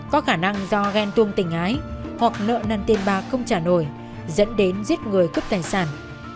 có khả năng do ghen tuông tình ái hoặc nợ nần tiền bạc không trả nổi dẫn đến giết người cướp tài sản